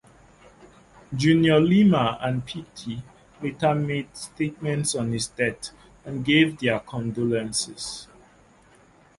Junior Lima and Pitty later made statements on his death and gave their condolences.